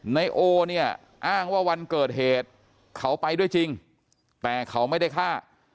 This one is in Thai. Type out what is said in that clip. นายโอเนี่ยอ้างว่าวันเกิดเหตุเขาไปด้วยจริงแต่เขาไม่ได้ฆ่า